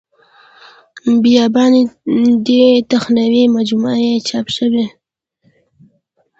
بیاباني دې تخنوي مجموعه یې چاپ شوې.